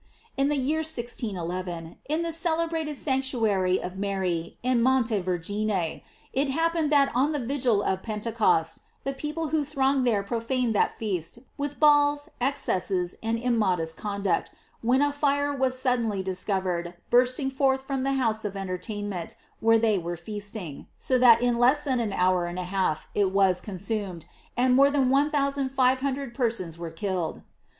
"* In the year 1611, in the celebrat en sanctuary of Mary in Montevergine, it hap pened that on the vigil of Pentecost the people who thronged there profaned that feast with balls, excesses, and immodest conduct, when a fire was suddenly discovered bursting forth from the house of entertainment where they were feasting, so that in less than an hour and a half it was consumed, and more than one thou sand five hundred persons were killed.